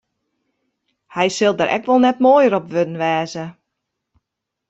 Hy sil der ek wol net moaier op wurden wêze.